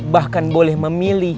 bahkan boleh memilih